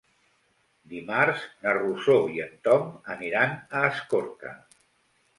Dimarts na Rosó i en Tom aniran a Escorca.